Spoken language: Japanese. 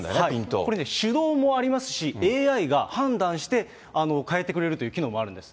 これ、手動もありますし、ＡＩが判断して、変えてくれるという機能もあるんです。